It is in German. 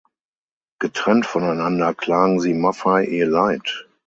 Getrennt voneinander klagen sie Maffei ihr Leid.